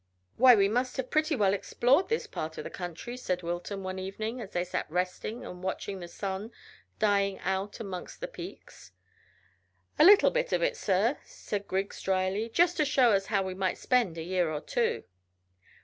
"Why, we must have pretty well explored this part of the country," said Wilton, one evening, as they sat resting and watching the sun glow dying out amongst the peaks. "A little bit of it, sir," said Griggs dryly; "just to show us how we might spend a year or two."